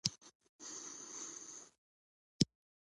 دا د فکر او باور پر بنسټ وي.